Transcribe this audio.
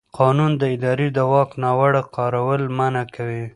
قانون د ادارې د واک ناوړه کارول منع کوي.